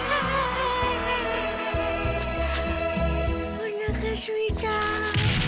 おなかすいた。